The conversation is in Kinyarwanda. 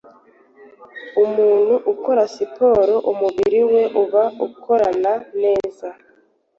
umuntu ukora siporo umubiri we uba ukorana neza